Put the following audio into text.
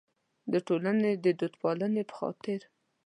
د ټولنې د دودپالنې په خاطر.